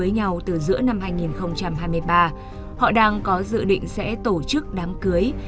năm hai nghìn hai mươi ba họ đang có dự định sẽ tổ chức đám cưới